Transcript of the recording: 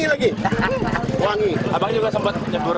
apalagi nggak sempat nyebur